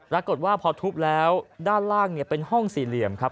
รักษ์กฎว่าพอทุบแล้วด้านล่างเนี้ยเป็นห้องสี่เหลี่ยมครับ